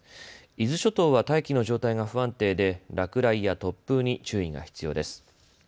伊豆諸島は大気の状態が不安定で落雷や突風に注意が必要です。